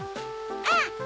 うん！